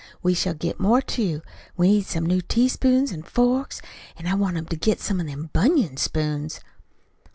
We shall get more, too. We need some new teaspoons an' forks. An' I want 'em to get some of them bunion spoons."